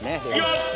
やった！